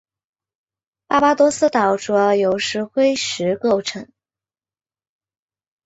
巴巴多斯岛主要由石灰石构成。